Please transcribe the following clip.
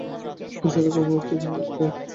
নিসার আলি ক্রমেই বিরক্ত হয়ে উঠতে লাগলেন।